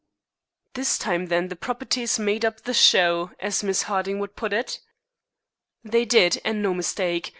"This time, then, the 'properties' made up the 'show,' as Miss Harding would put it?" "They did, and no mistake.